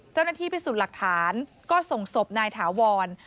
เจ้าหน้าที่พิสูจน์หลักฐานก็ส่งศพนายถาวร